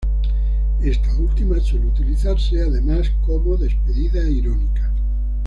Esta última suele utilizarse además como despedida irónica.